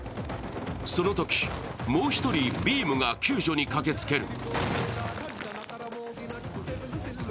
そのとき、もう１人、ビームが救助に駆けつける。